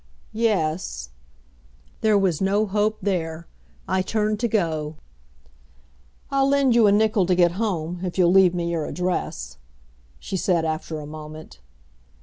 "Yes." There was no hope there. I turned to go. "I'll lend you a nickel to get home, if you'll leave me your address," she said after a moment.